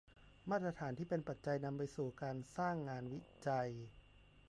มาตรฐานที่เป็นปัจจัยนำไปสู่การสร้างงานวิจัย